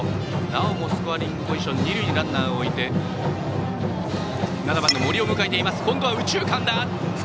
なおもスコアリングポジションにランナーを置いて７番の森を迎えています。